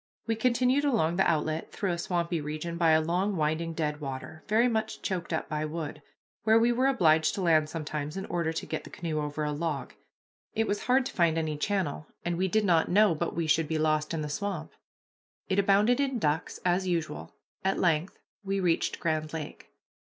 We continued along the outlet through a swampy region, by a long, winding deadwater, very much choked up by wood, where we were obliged to land sometimes in order to get the canoe over a log. It was hard to find any channel, and we did not know but we should be lost in the swamp. It abounded in ducks, as usual. At length we reached Grand Lake.